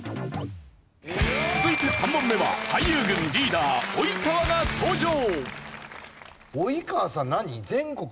続いて３問目は俳優軍リーダー及川が登場！